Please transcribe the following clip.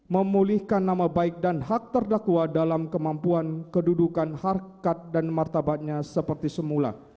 memulihkan nama baik dan hak terdakwa dalam kemampuan kedudukan harkat dan martabatnya seperti semula